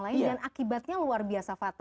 dan akibatnya luar biasa fatal